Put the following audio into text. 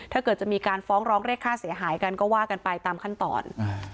ถ้าเกิดจะมีการฟ้องร้องเรียกค่าเสียหายกันก็ว่ากันไปตามขั้นตอน